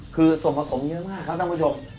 คือส่วนผสมเยอะมากครับท่านผู้ชม